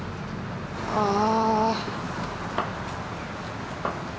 ああ。